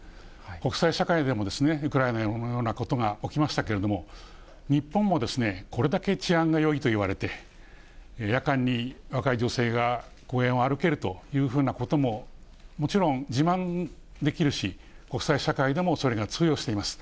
国際社会でも、ウクライナのようなことが起きましたけれども、日本もこれだけ治安がよいといわれて、夜間に若い女性が公園を歩けるというふうなことも、もちろん自慢できるし、国際社会でもそれが通用しています。